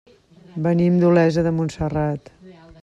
Venim d'Olesa de Montserrat.